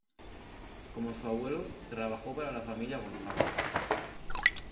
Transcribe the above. Como su abuelo, trabajó para la Familia Gonzaga.